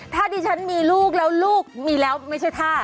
ถ้าดิฉันมีลูกแล้วลูกมีแล้วไม่ใช่ท่า